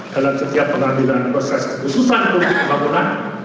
dalam setiap pengambilan proses keputusan untuk pembangunan